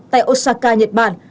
tại osaka nhật bản